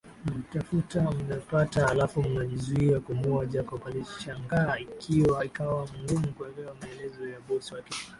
Mnamtafutammepatahalafu mnajizuia kumuua Jacob alishangaa ikawa ngumu kuelewa maelezo ya bosi wake